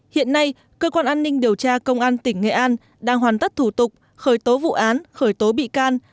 hiện nay cơ quan an ninh điều tra công an tỉnh nghệ an đang hoàn tất thủ tục khởi tố vụ án khởi tố bị can